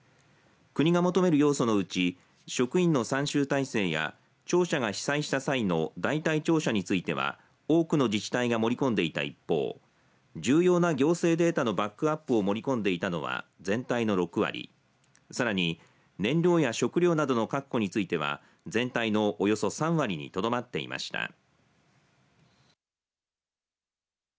国が求める要素のうち職員の参集体制や庁舎が被災した際の代替庁舎については多くの自治体が盛り込んでいた一方重要な行政データのバックアップを盛り込んでいたのは全体の６割さらに、燃料や食料などの確保については全体のおよそ３割にとどまっていました。